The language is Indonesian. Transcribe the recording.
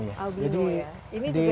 ini juga dibudidakan